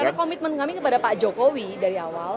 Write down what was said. karena komitmen kami kepada pak jokowi dari awal